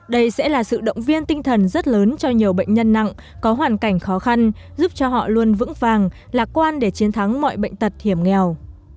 đây sẽ là sự động viên tinh thần rất lớn cho nhiều bệnh nhân nặng có hoàn cảnh khó khăn giúp cho họ luôn vững vàng lạc quan để chiến thắng mọi bệnh tật hiểm nghèo